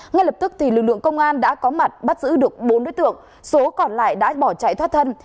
ngay lập tức lực lượng công an đã có mặt bắt giữ được bốn đối tượng số còn lại đã bỏ chạy thoát thân